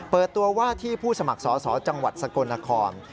เปิดตัวว่าที่ผู้สมัครสอสอจังหวัดสกลนคร